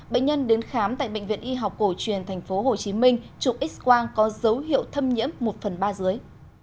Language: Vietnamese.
bệnh nhân đến khám tại bệnh viện y học cổ truyền tp hcm trục x quang có dấu hiệu thâm nhiễm một phần ba dưới